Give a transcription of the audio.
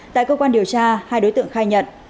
tại cơ quan điều tra hai đối tượng khai nhận